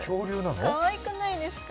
かわいくないですか？